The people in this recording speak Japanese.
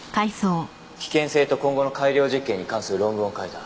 危険性と今後の改良実験に関する論文を書いた。